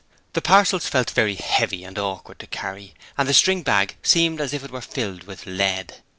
The parcels felt very heavy and awkward to carry, and the string bag seemed as if it were filled with lead.